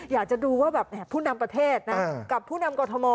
อยากจะดูว่าแบบผู้นำประเทศนะกับผู้นำกรทม